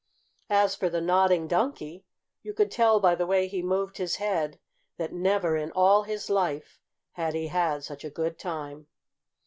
As for the Nodding Donkey, you could tell by the way he moved his head that never, in all his life, had he had such a good time.